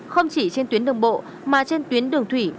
không chỉ trên tuyến đường bộ mà trên tuyến đường thủy